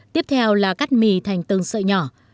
tiếp theo là cắt mì thành từng sợi nhỏ